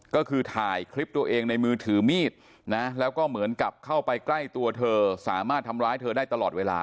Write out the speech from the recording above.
ก็คือถ่ายคลิปตัวเองในมือถือมีดนะแล้วก็เหมือนกับเข้าไปใกล้ตัวเธอสามารถทำร้ายเธอได้ตลอดเวลา